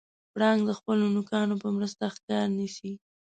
پړانګ د خپلو نوکانو په مرسته ښکار نیسي.